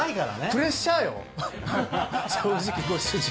プレッシャーよ正直ご主人。